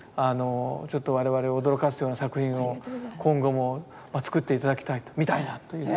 ちょっと我々を驚かすような作品を今後も作って頂きたいと見たいなというふうに思いますけど。